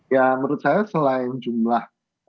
ya menurut saya selain jumlah